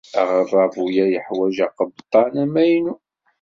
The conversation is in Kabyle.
Aɣerrabu-a yeḥwaj aqebṭan amaynu.